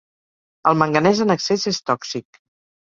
El manganès en excés és tòxic.